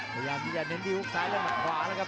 พยายามที่จะเน้นที่ฮุกซ้ายและหมัดขวาแล้วครับ